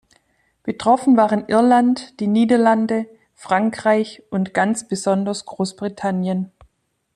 Betroffen waren Irland, die Niederlande, Frankreich und ganz besonders Großbritannien.